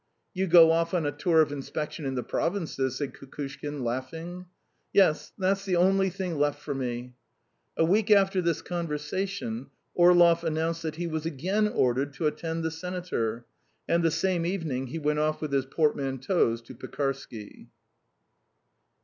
"You go off on a tour of inspection in the provinces," said Kukushkin, laughing. "Yes, that's the only thing left for me." A week after this conversation Orlov announced that he was again ordered to attend the senator, and the same evening he went off with his portmanteaus to Pekarsky.